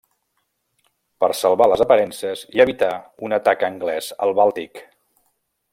Per salvar les aparences i evitar un atac anglès al Bàltic.